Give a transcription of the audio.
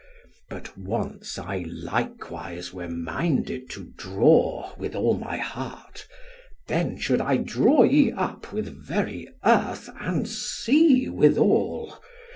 But once I likewise were minded to draw with all my heart, then should I draw ye up with very earth and sea withal.